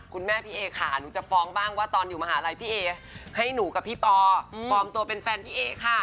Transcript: คุณแม่พี่เอค่ะหนูจะฟ้องบ้างว่าตอนอยู่มหาลัยพี่เอให้หนูกับพี่ปอปลอมตัวเป็นแฟนพี่เอค่ะ